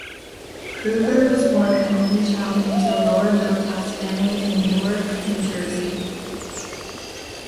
Kruger was born an only child into a lower-middle-class family in Newark, New Jersey.